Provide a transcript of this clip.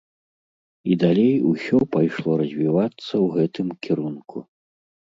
І далей усё пайшло развівацца ў гэтым кірунку.